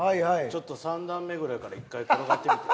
ちょっと３段目ぐらいから１回転がってみて。